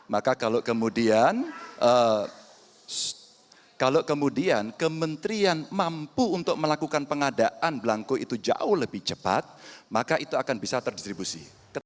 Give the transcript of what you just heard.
maka kalau kemudian kalau kemudian kementerian mampu untuk melakukan pengadaan blanko itu jauh lebih cepat maka itu akan bisa terdistribusi